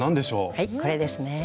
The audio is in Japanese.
はいこれですね。